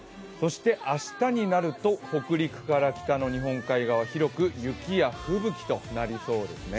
明日になると北陸から北の日本海側、広く雪や吹雪となりそうですね。